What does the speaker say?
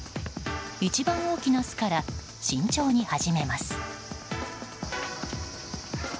一番大きな巣から慎重に始めます。